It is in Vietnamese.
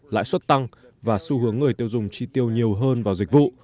lãi suất tăng và xu hướng người tiêu dùng chi tiêu nhiều hơn vào dịch vụ